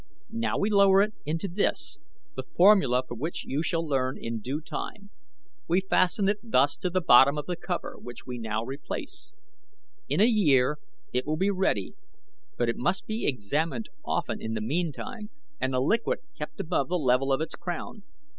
"Now we lower it into this, the formula for which you shall learn in due time. We fasten it thus to the bottom of the cover, which we now replace. In a year it will be ready; but it must be examined often in the meantime and the liquid kept above the level of its crown.